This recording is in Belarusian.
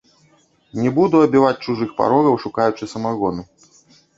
Не буду абіваць чужых парогаў, шукаючы самагону.